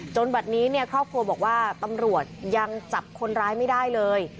บัดนี้เนี่ยครอบครัวบอกว่าตำรวจยังจับคนร้ายไม่ได้เลย